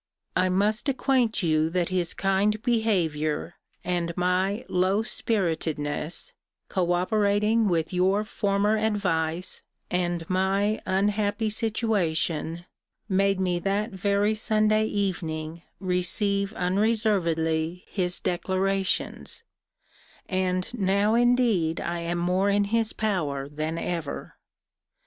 I must acquaint you that his kind behaviour, and my low spiritedness, co operating with your former advice, and my unhappy situation, made me that very Sunday evening receive unreservedly his declarations: and now indeed I am more in his power than ever.